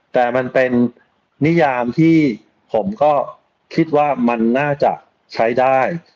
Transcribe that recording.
แต่มันเป็นนิยามที่ผมก็คิดว่ามันน่าจะใช้ได้